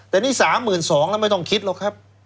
แต่นี่๓๒๐๐แล้วไม่ต้องคิดหรอกครับ